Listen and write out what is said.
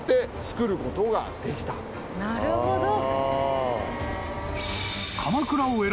なるほど。